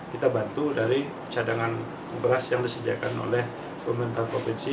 kita bantu dari cadangan beras yang disediakan oleh pemerintah provinsi